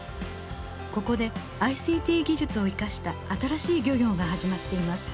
ここでＩＣＴ技術を生かした新しい漁業が始まっています。